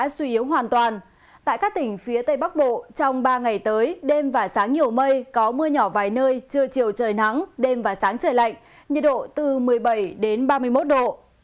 sáng nhiều mây có mưa nhỏ vài nơi trưa chiều trời nắng đêm và sáng trời lạnh nhiệt độ từ một mươi bảy đến ba mươi một độ